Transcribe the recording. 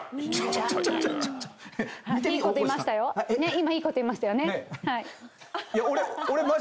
今いいこと言いましたよね。